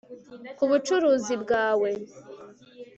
ku bucuruzi bwawe